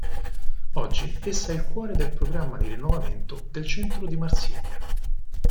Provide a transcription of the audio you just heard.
Oggi essa è il cuore del programma di rinnovamento del centro di Marsiglia.